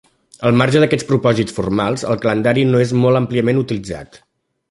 Al marge d'aquests propòsits formals, el calendari no és molt àmpliament utilitzat.